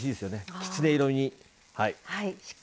きつね色に。